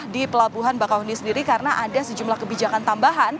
di pelabuhan bakau ini sendiri karena ada sejumlah kebijakan tambah